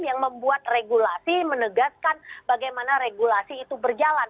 yang membuat regulasi menegaskan bagaimana regulasi itu berjalan